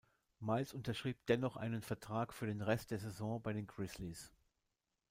Miles unterschrieb dennoch einen Vertrag für den Rest der Saison bei den Grizzlies.